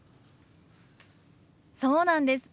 そうなんです。